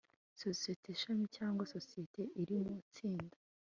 sosiyete shami cyangwa sosiyete iri mu itsinda